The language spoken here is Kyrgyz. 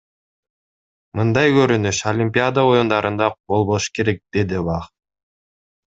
Мындай көрүнүш Олимпиада оюндарында болбош керек, — деди Бах.